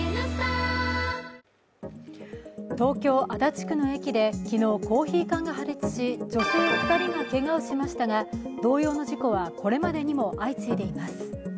東京・足立区の駅で昨日、コーヒー缶が破裂し女性２人がけがをしましたが同様の事故はこれまでにも相次いでいます。